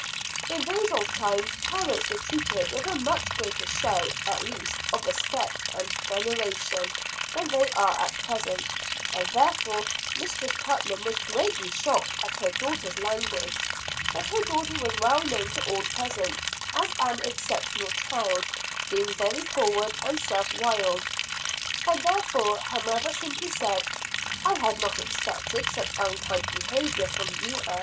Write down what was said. In those old times, parents were treated with a much greater show, at least, of respect and veneration than they are at present; and therefore Mistress Putnam was greatly shocked at her daughter's language; but her daughter was well known to all present as an exceptional child, being very forward and self willed, and therefore her mother simply said, "I had not expected such unkind behavior from you, Ann."